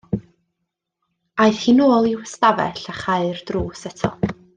Aeth hi nôl i'w stafell a chau'r drws eto.